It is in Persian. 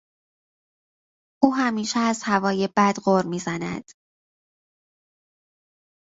او همیشه از هوای بد غر میزند.